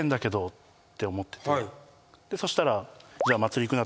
そしたら。